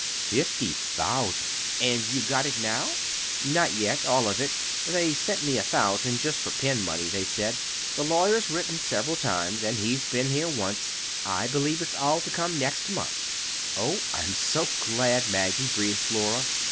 "Fifty thousand! And you've got it now?" "Not yet—all of it. They sent me a thousand—just for pin money, they said. The lawyer's written several times, and he's been here once. I believe it's all to come next month." "Oh, I'm so glad, Maggie," breathed Flora.